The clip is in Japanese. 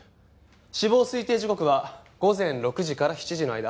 死亡推定時刻は午前６時から７時の間。